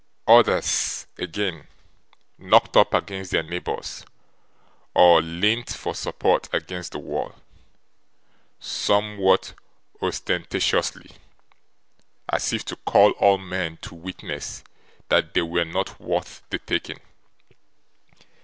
Others, again, knocked up against their neighbours, or leant for support against the wall somewhat ostentatiously, as if to call all men to witness that they were not worth the taking.